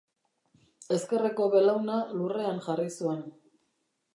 Ezkerreko belauna lurrean jarri zuen.